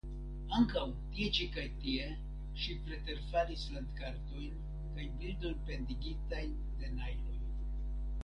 Ankaŭ, tie ĉi kaj tie, ŝi preterfalis landkartojn kaj bildojn pendigitajn de najloj.